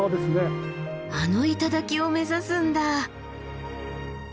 あの頂を目指すんだ。